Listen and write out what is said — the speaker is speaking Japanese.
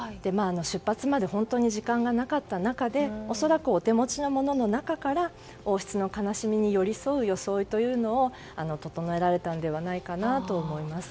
出発まで本当に時間がなかった中で恐らく、お手持ちの中から王室の悲しみに寄り添うものを整えられたんだろうと思います。